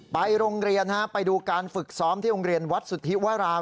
ไปโรงเรียนไปดูการฝึกซ้อมที่โรงเรียนวัดสุธิวราม